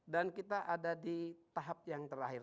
dan kita ada di tahap yang terakhir